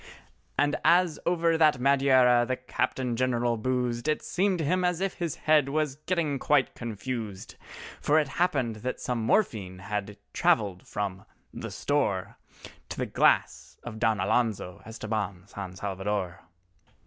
And as over that Madeira the Captain General boozed, It seemed to him as if his head was getting quite confused, For it happened that some morphine had travelled from "the store" To the glass of Don Alonzo Estabán San Salvador.